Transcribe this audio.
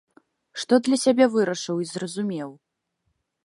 Што для сябе вырашыў і зразумеў?